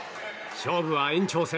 勝負は延長戦。